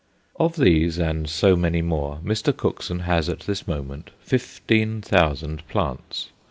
Of these, and so many more, Mr. Cookson has at this moment fifteen thousand plants.